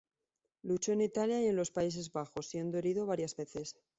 Luchó en Italia y en los Países Bajos, siendo herido varias veces.